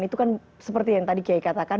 itu kan seperti yang tadi kiai katakan